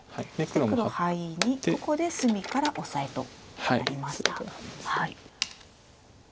黒ハイにここで隅からオサエとなりました。